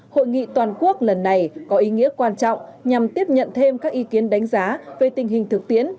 hội nghị toàn quốc lần này có ý nghĩa quan trọng nhằm tiếp nhận thêm các ý kiến đánh giá về tình hình thực tiễn